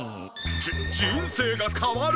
じ人生が変わる！？